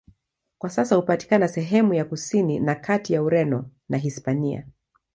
Kwa sasa hupatikana sehemu ya kusini na kati ya Ureno na Hispania.